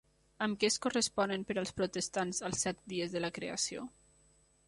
Amb què es corresponen per als protestants els set dies de la creació?